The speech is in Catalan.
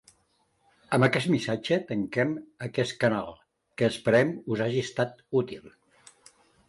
Amb aquest missatge tanquem aquest canal, que esperem que us hagi estat útil.